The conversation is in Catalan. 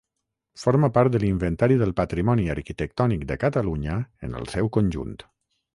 Forma part de l'Inventari del Patrimoni Arquitectònic de Catalunya en el seu conjunt.